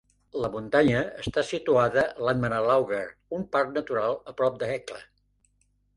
La muntanya està situada a Landmannalaugar, un parc natural a prop de Hekla.